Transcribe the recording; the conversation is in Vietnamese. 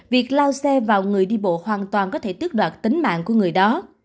việc lao xe vào người đi bộ hoàn toàn có thể tước đoạt tính mạng của người đó